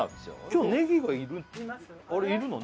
今日ねぎがいるいるの？